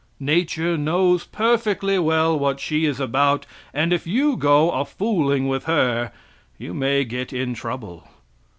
Nature knows perfectly well what she is about, and if you go a fooling with her you may get into trouble.